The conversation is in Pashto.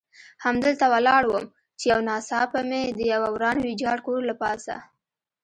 همدلته ولاړ وم، چې یو ناڅاپه مې د یوه وران ویجاړ کور له پاسه.